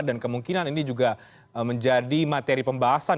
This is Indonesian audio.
kemungkinan ini juga menjadi materi pembahasan